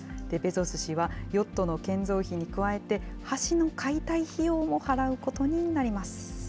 ベゾス氏は、ヨットの建造費に加えて、橋の解体費用も払うことになります。